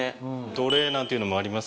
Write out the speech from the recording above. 土鈴なんていうのもあります